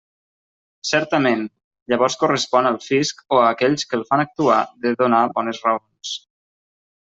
Certament, llavors correspon al fisc o a aquells que el fan actuar de donar bones raons.